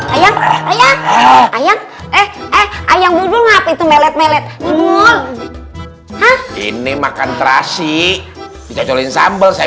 ayam ayam ayam ayam itu melet melet pun ini makan terasi dicocokin sambel saya